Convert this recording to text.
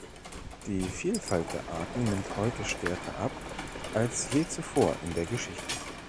Die Vielfalt der Arten nimmt heute stärker ab als je zuvor in der Geschichte.